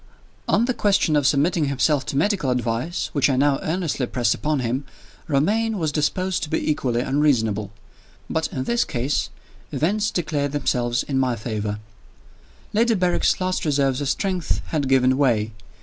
X. ON the question of submitting himself to medical advice (which I now earnestly pressed upon him), Romayne was disposed to be equally unreasonable. But in this case, events declared themselves in my favor. Lady Berrick's last reserves of strength had given way.